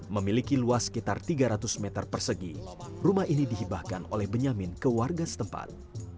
memiliki luas sekitar tiga ratus meter persegi rumah ini dihibahkan oleh benyamin ke warga setempat